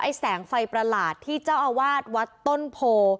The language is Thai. แสงไฟประหลาดที่เจ้าอาวาสวัดต้นโพ